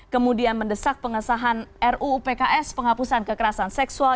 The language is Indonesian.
kemudian mendesak pengesahan ruu pks penghapusan kekerasan seksual